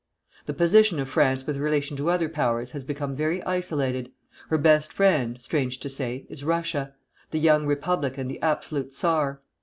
The position of France with relation to other powers has become very isolated. Her best friend, strange to say, is Russia, the young Republic and the absolute czar!